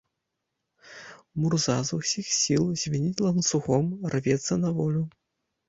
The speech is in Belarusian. Мурза з усіх сіл звініць ланцугом, рвецца на волю.